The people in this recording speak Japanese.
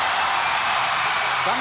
画面